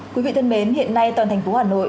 quý vị thân mến hiện nay toàn thành phố hà nội